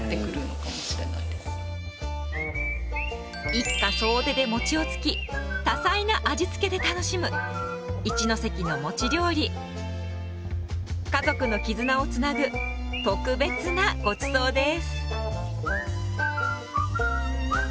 一家総出でもちをつき多彩な味付けで楽しむ家族の絆をつなぐ特別なごちそうです。